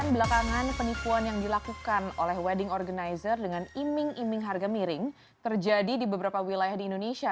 belakangan penipuan yang dilakukan oleh wedding organizer dengan iming iming harga miring terjadi di beberapa wilayah di indonesia